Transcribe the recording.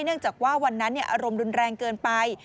เนื่องจากว่าวันนั้นอารมณ์รุนแรงเกินไป